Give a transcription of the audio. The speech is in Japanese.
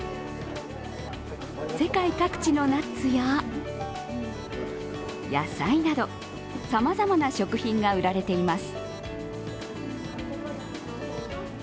世界各地のナッツや野菜など、さまざまな食品が売られています。